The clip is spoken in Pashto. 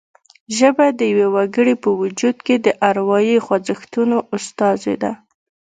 ژبه د یوه وګړي په وجود کې د اروايي خوځښتونو استازې ده